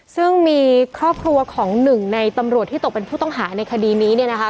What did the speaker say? ซึ่งมีครอบครัวของหนึ่งในตำรวจที่ตกเป็นผู้ต้องหาในคดีนี้เนี่ยนะคะ